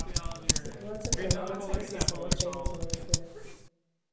Situace pro Německo se samozřejmě zhoršuje.